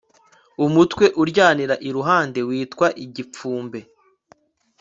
umutwe uryanira iruhande witwa igipfumbe